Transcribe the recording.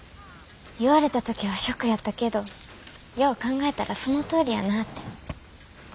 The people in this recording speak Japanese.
言われた時はショックやったけどよう考えたらそのとおりやなって。